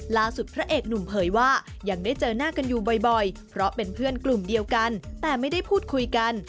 พระเอกหนุ่มเผยว่ายังได้เจอหน้ากันอยู่บ่อยเพราะเป็นเพื่อนกลุ่มเดียวกันแต่ไม่ได้พูดคุยกัน